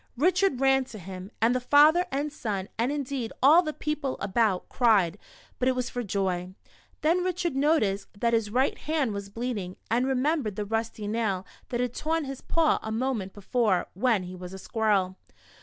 Richard ran to him, and the father and son, and indeed all the people about, cried, but it was for joy. Then Richard noticed that his right hand was bleeding, and remembered the rusty nail that had torn his paw a moment before, when he was a squirrel.